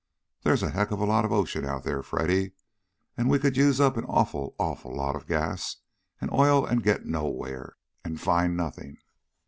There's a heck of a lot of ocean out there, Freddy. We could use up an awful, awful lot of gas and oil and get nowhere, and find nothing!"